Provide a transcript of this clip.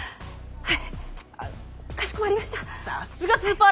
はい！